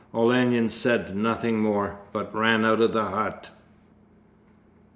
Olenin said nothing more, but ran out of the hut.